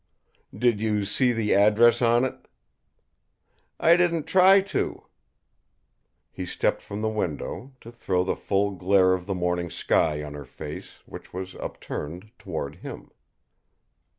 "Did you see the address on it?" "I didn't try to." He stepped from the window, to throw the full glare of the morning sky on her face, which was upturned, toward him.